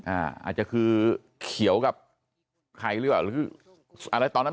อาจจะคือเขียวกับใครหรือเปล่าหรืออะไรตอนนั้น